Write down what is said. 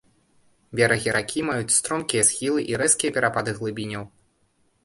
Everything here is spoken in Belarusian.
Берагі ракі маюць стромкія схілы і рэзкія перапады глыбіняў.